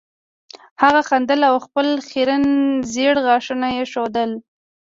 هغه خندل او خپل خیرن زیړ غاښونه یې ښودل